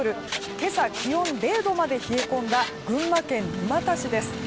今朝、気温０度まで冷え込んだ群馬県沼田市です。